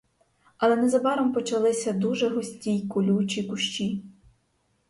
Але незабаром почалися дуже густі й колючі кущі.